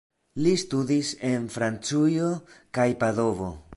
Li studis en Francujo kaj Padovo.